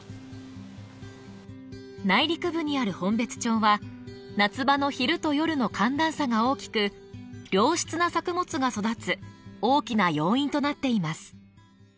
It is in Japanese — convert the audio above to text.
内陸部にある本別町は夏場の昼と夜の寒暖差が大きく良質な作物が育つ大きな要因となっています。